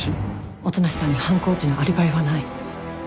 音無さんに犯行時のアリバイはない。